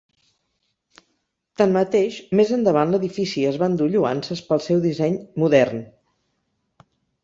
Tanmateix, més endavant l'edifici es va endur lloances pel seu disseny modern.